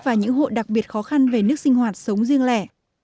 và những hộ đặc biệt khó khăn về nước sinh hoạt sống riêng lẻ